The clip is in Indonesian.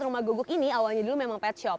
rumah guguk ini awalnya dulu memang pet shop